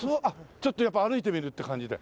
ちょっとやっぱ歩いてみるって感じで？